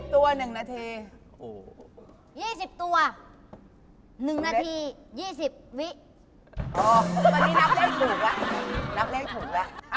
อ๋อตอนนี้นับเลขถูกล่ะ